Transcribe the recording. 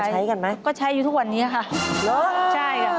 ใช้ก็ใช้อยู่ทุกวันนี้ค่ะใช่เหรอใช่อ๋อ